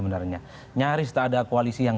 sebenarnya nyaris tak ada koalisi yang